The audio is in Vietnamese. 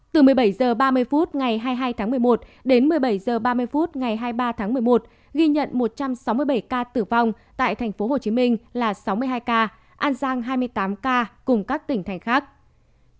từ một mươi bảy h ba mươi phút ngày hai mươi hai tháng một mươi một đến một mươi bảy h ba mươi phút ngày hai mươi ba tháng một mươi một ghi nhận một trăm sáu mươi bảy ca tử vong tại tp hcm là sáu mươi hai ca an giang hai mươi tám ca cùng các tỉnh thành khác